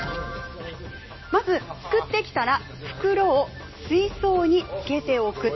まず、すくってきたら袋を水槽につけておく。